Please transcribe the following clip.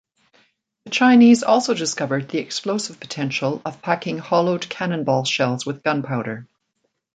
The Chinese also discovered the explosive potential of packing hollowed cannonball shells with gunpowder.